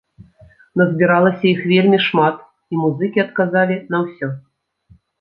Назбіралася іх вельмі шмат, і музыкі адказалі на ўсё.